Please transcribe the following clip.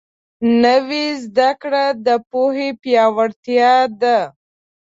نوې زده کړه د پوهې پیاوړتیا ده